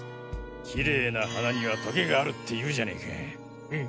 きれいな花にはトゲがあるって言うじゃねか。